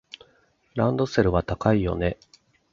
ランドセルは高いよね。